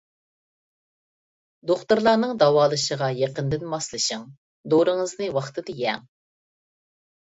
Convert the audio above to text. دوختۇرلارنىڭ داۋالىشىغا يېقىندىن ماسلىشىڭ، دورىڭىزنى ۋاقتىدا يەڭ.